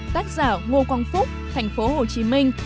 tác giả ngô quang phúc tp hcm